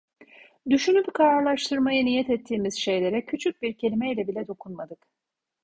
Düşünüp kararlaştırmaya niyet ettiğimiz şeylere küçük bir kelimeyle bile dokunmadık.